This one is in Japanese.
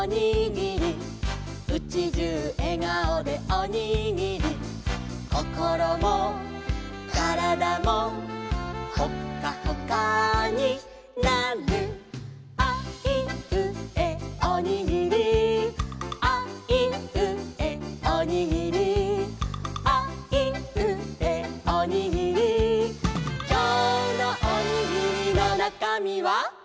「うちじゅうえがおでおにぎり」「こころもからだも」「ホッカホカになる」「あいうえおにぎり」「あいうえおにぎり」「あいうえおにぎり」「きょうのおにぎりのなかみは？」